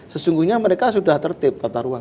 sesungguhnya mereka sudah tertib